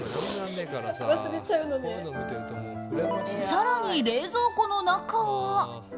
更に、冷蔵庫の中は。